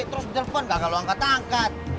terus ditelepon gak kalau angkat angkat